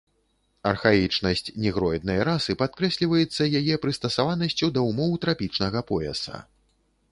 Архаічнасць негроіднай расы падкрэсліваецца яе прыстасаванасцю да ўмоў трапічнага пояса.